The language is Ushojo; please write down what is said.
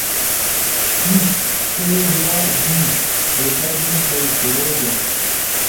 نیِش اے یا دی، ریکارڈنگ کئی شروع در